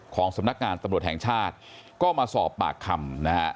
สำนักงานตำรวจแห่งชาติก็มาสอบปากคำนะฮะ